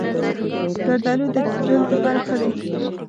زردالو د جلد لپاره ښه دی.